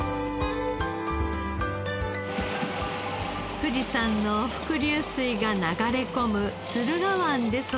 富士山の伏流水が流れ込む駿河湾で育ち。